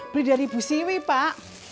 beli dari ibu siwi pak